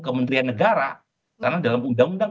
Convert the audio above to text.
kementerian negara karena dalam undang undang